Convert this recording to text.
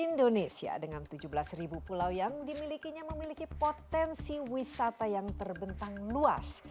indonesia dengan tujuh belas pulau yang dimilikinya memiliki potensi wisata yang terbentang luas